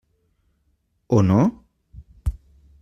O no?